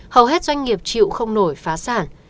hầu hết doanh nghiệp chịu không nổi phá sản